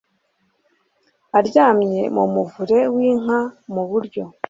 aryamye mu muvure w inka mu buryo